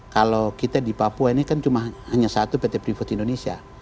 kalau kita di papua ini kan cuma hanya satu pt freeport indonesia